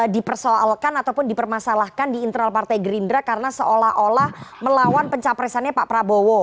dipersoalkan ataupun dipermasalahkan di internal partai gerindra karena seolah olah melawan pencapresannya pak prabowo